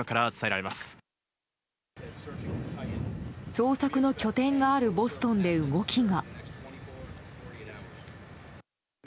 捜索の拠点があるボストンで動きが。